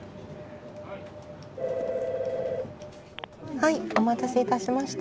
☎はいお待たせいたしました。